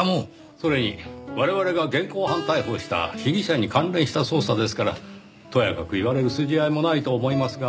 それに我々が現行犯逮捕した被疑者に関連した捜査ですからとやかく言われる筋合いもないと思いますが。